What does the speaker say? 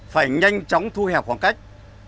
phải nhanh chóng thu hẹp khoảng cách